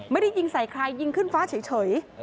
ไม่ได้ยิงใส่ใครยิงขึ้นฟ้าเฉย